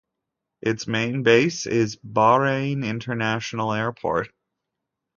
Its main base is Bahrain International Airport.